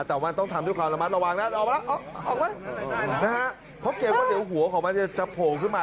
แต่มันต้องทำด้วยความระมัดระวังนะออกไว้เพราะว่าเดี๋ยวหัวของมันจะโผล่ขึ้นมา